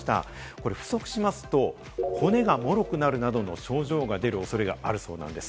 これ不足しますと骨がもろくなるなどの症状が出る恐れがあるそうです。